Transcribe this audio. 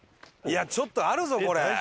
いやちょっとあるぞこれ。